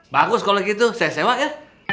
bagus kalau gitu saya sewa ya